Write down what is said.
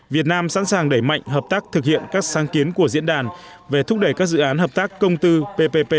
việt nam sẵn sàng đẩy mạnh hợp tác thực hiện các sáng kiến của diễn đàn về thúc đẩy các dự án hợp tác công tư ppp